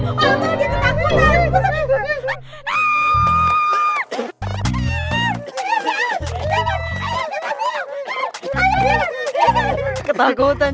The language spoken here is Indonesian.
astaga dia ketakutan